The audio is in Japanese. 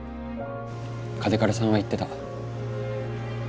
嘉手刈さんは言ってた。